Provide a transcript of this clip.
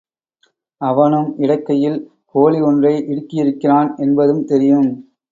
அவனும் இடக்கையில் கோழி ஒன்றை இடுக்கியிருக்கிறான் என்பதும் தெரியும்.